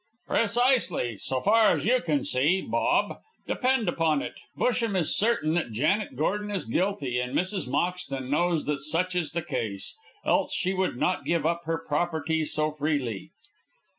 "Precisely, so far as you can see, Bob. Depend upon it, Busham is certain that Janet Gordon is guilty, and Mrs. Moxton knows that such is the case, else she would not give up her property so freely."